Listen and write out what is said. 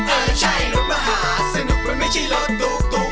เออใช่รถมหาสนุกมันไม่ใช่รถตุ๊ก